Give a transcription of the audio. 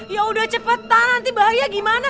yaudah cepetan nanti bahaya gimana